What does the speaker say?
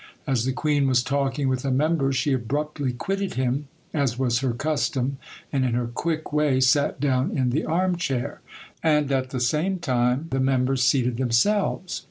As the queen was talking with a member she abruptly quitted him, as was her custom, and in her quick way sat down in the arm chair; and at the same time the members seated themselves.